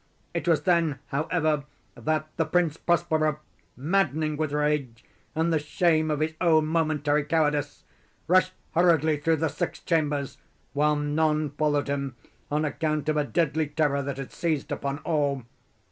It was then, however, that the Prince Prospero, maddening with rage and the shame of his own momentary cowardice, rushed hurriedly through the six chambers, while none followed him on account of a deadly terror that had seized upon all.